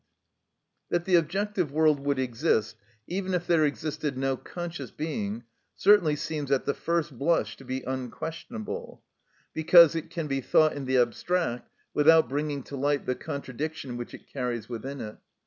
That the objective world would exist even if there existed no conscious being certainly seems at the first blush to be unquestionable, because it can be thought in the abstract, without bringing to light the contradiction which it carries within it.